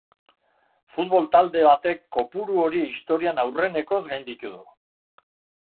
Futbol talde batek kopuru hori historian aurrenekoz gainditu du.